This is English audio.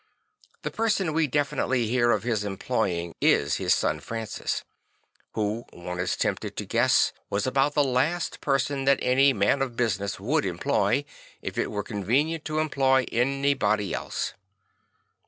The person we definitely hear of his employing is his son Francis; who, one is tempted to guess, was about the last person that any man of busi ness would employ if it were convenient to employ anybody else.